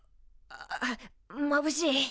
ああまぶしい。